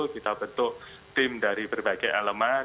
kita bentuk tim dari berbagai elemen